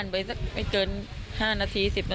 พอลูกเขยกลับเข้าบ้านไปพร้อมกับหลานได้ยินเสียงปืนเลยนะคะ